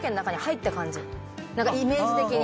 なんかイメージ的に。